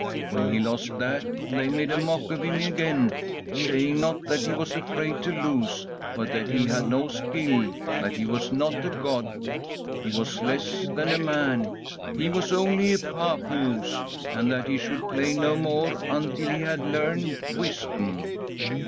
When he lost that, they made a mock of him again, saying not that he was afraid to lose, but that he had no skill, that he was not a god. He was less than a man, he was only a papoose, and that he should play no more until he had learned wisdom.